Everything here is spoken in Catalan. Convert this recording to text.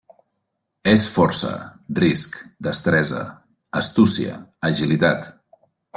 És força, risc, destresa, astúcia, agilitat.